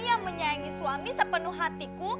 yang menyayangi suami sepenuh hatiku